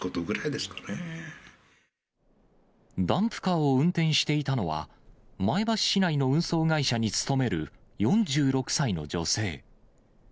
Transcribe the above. ぐらダンプカーを運転していたのは、前橋市内の運送会社に勤める４６歳の女性。